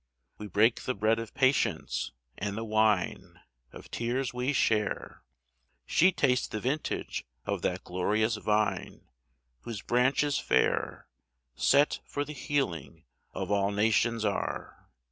We break the bread of patience, and the wine Of tears we share ; She tastes the vintage of that glorious vine Whose branches fair Set for the healing of all nations are.